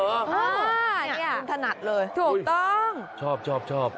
นี่อ่ะถนัดเลยอุ้ยชอบ